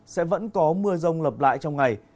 sẽ vẫn có mưa rông lập lại trong ngày